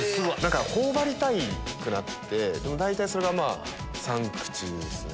頬張りたくなってでも大体それが３口ですね。